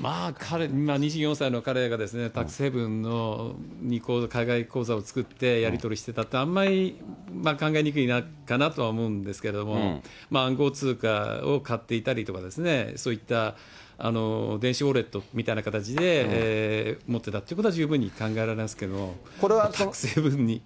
まあ、２４歳の彼が、タックスヘイブンに海外口座を作ってやり取りしてたっていうのは、あんまり考えにくいかなと思うんですけれども、暗号通貨を買っていたりとか、そういった電子ウォレットみたいな形で持ってたってことは十分考えられますけど、タックスヘイブンに。